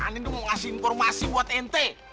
ani tuh mau kasih informasi buat ente